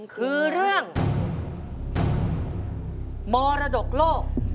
คือเรื่องมรดกโลก